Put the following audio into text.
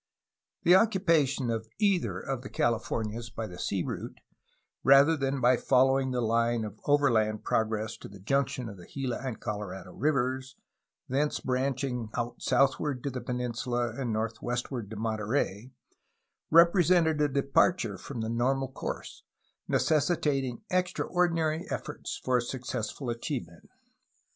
The occupation of either of the CaUfornias by the sea route, rather than by following the hne of overland progress to the junction of the Gila and Colorado rivers (thence branching out southward to the peninsula and north west ward to Monterey), represented a departure from the normal course, necessitating extraordinary efforts for a successful achievement.